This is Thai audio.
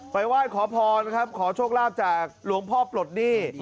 ไหว้ขอพรนะครับขอโชคลาภจากหลวงพ่อปลดหนี้